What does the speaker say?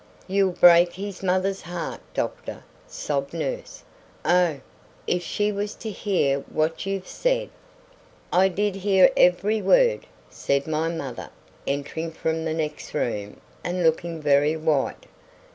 "You'll break his mother's heart, doctor," sobbed nurse. "Oh! if she was to hear what you've said!" "I did hear every word," said my mother, entering from the next room, and looking very white.